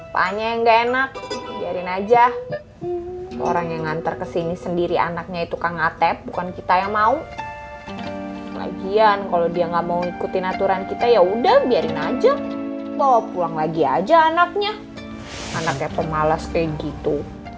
apaannya yang gak enak biarin aja orang yang nganter kesini sendiri anaknya itu kak ngatep bukan kita yang mau lagian kalau dia gak mau ikutin aturan kita ya udah biarin aja bawa pulang lagi aja anaknya anaknya pemalas kayak gitu